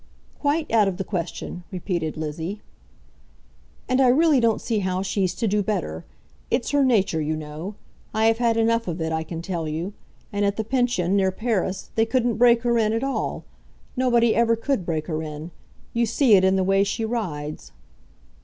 "Quite out of the question," repeated Lizzie. "And I really don't see how she's to do better. It's her nature, you know. I have had enough of it, I can tell you. And at the pension, near Paris, they couldn't break her in at all. Nobody ever could break her in. You see it in the way she rides."